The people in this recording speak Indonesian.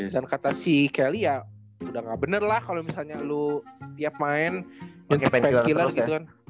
dan kata si kelly ya udah gak bener lah kalo misalnya lo tiap main nyuntik painkiller gitu kan